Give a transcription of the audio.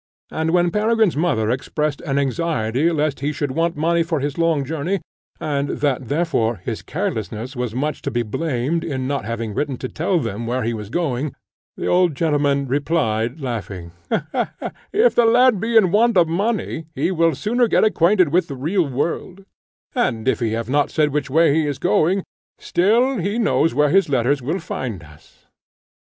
And when Peregrine's mother expressed an anxiety lest he should want money for his long journey, and that, therefore, his carelessness was much to be blamed in not having written to tell them where he was going, the old gentleman replied laughing, "If the lad be in want of money, he will the sooner get acquainted with the real world; and if he have not said which way he is going, still he knows where his letters will find us."